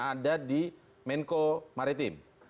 ada di menko maritim